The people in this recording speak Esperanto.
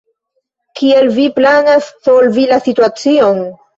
Kiel vi planas solvi la situacion?